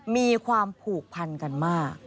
มีความผูกพันกันมาก